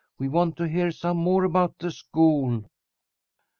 We want to hear some more about the school."